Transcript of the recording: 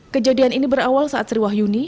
kejadian ini berawal saat sri wahyuni